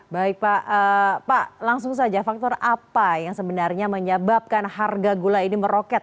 baik pak langsung saja faktor apa yang sebenarnya menyebabkan harga gula ini meroket